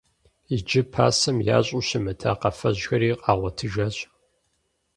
Иджы пасэм ящӀэу щымыта къафэжьхэри къагъуэтыжащ.